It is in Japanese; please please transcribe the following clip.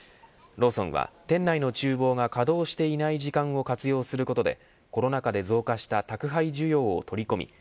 ローソンは、店内の厨房が稼働していない時間を活用することでコロナ禍で増加した宅配需要を取り込み